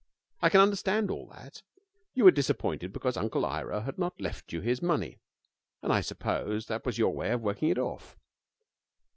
I can understand all that. You were disappointed because Uncle Ira had not left you his money, and I suppose that was your way of working it off.